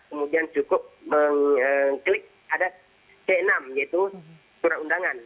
kemudian cukup mengklik ada c enam yaitu surat undangan